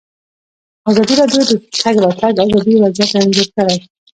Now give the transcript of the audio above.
ازادي راډیو د د تګ راتګ ازادي وضعیت انځور کړی.